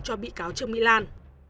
cho bị cáo trương mỹ lan